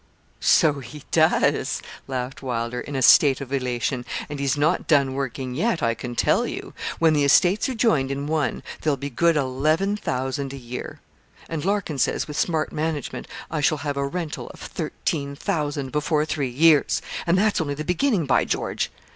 'So he does,' laughed Wylder, in a state of elation, 'and he's not done working yet, I can tell you. When the estates are joined in one, they'll be good eleven thousand a year; and Larkin says, with smart management, I shall have a rental of thirteen thousand before three years! And that's only the beginning, by George!